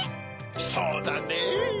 そうだねぇ。